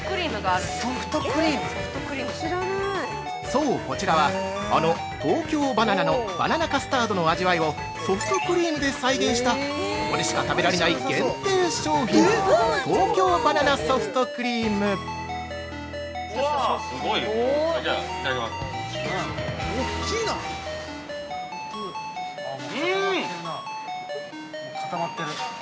◆そう、こちらは、あの「東京ばな奈」のバナナカスタードの味わいをソフトクリームで再現したここでしか食べられない限定商品「東京ばな奈ソフトクリーム」。◆いただきます。